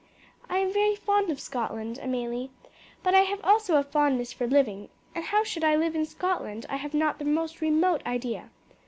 "I am very fond of Scotland, Amelie; but I have also a fondness for living, and how I should live in Scotland I have not the most remote idea.